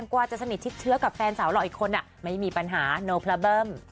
ก็ดูอยู่ครับ